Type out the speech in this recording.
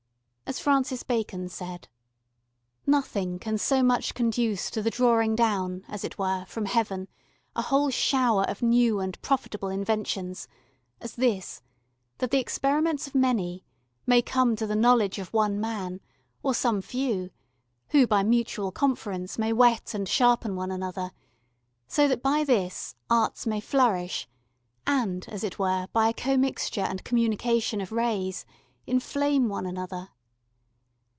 As Francis Bacon said: "Nothing can so much conduce to the drawing down, as it were, from heaven a whole shower of new and profitable Inventions, as this, that the experiments of many ... may come to the knowledge of one man, or some few, who by mutual conference may whet and sharpen one another, so that by this ... Arts may flourish, and as it were by a commixture and communication of Rays, inflame one another.